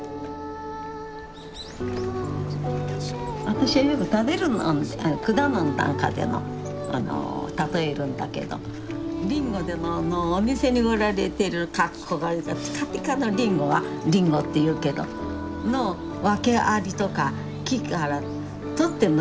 私はよく食べるもので果物なんかでも例えるんだけどりんごでももうお店に売られてるかっこがピカピカのりんごはりんごって言うけどもうワケありとか木から採ってもらえない